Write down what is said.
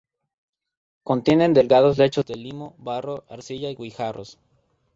Contienen delgados lechos de limo, barro, arcilla y guijarros.